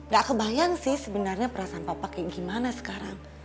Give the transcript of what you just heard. gak kebayang sih sebenarnya perasaan papa kayak gimana sekarang